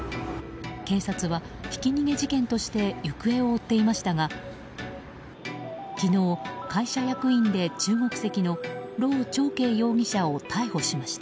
警察はひき逃げ事件として行方を追っていましたが昨日、会社役員で中国籍のロウ・チョウケイ容疑者を逮捕しました。